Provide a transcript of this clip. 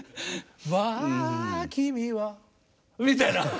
「わぁぁぁ君は」みたいな。